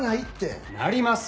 なります！